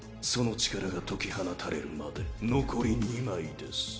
その力が解き放たれるまで残り２枚です。